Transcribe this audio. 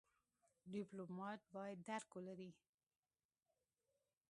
ډيپلومات بايد درک ولري.